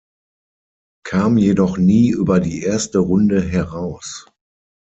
Kam jedoch nie über die erste Runde heraus.